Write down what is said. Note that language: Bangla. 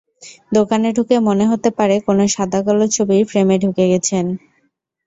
দোকানে ঢুকে মনে হতে পারে, কোনো সাদাকালো ছবির ফ্রেমে ঢুকে গেছেন।